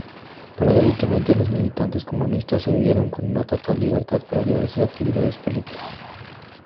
Paradójicamente, los militantes comunistas se vieron con total libertad para llevar sus actividades políticas.